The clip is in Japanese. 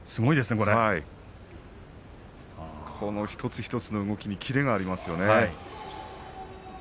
この一つ一つの動きにキレがありますよね。